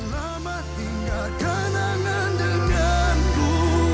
selamat tinggal kenangan denganku